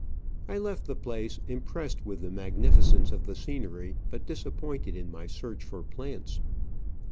I left the place impressed with the magnificence of the scenery, but disappointed in my search for plants.